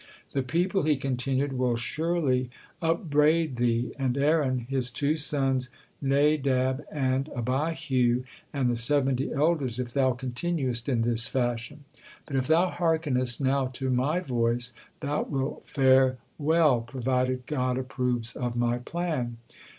"The people," he continued, "will surely unbraid thee and Aaron, his two sons Nadab and Abihu, and the seventy elders, if thou continuest in this fashion. But if thou hearkenest now to my voice, thou wilt fare well, provided God approves of my plan.